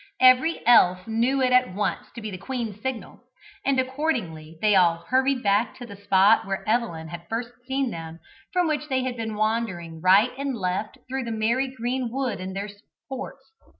Every elf knew it at once to be the queen's signal, and accordingly they all hurried back to the spot where Evelyn had first seen them, from which they had been wandering right and left through the merry green wood in their sports.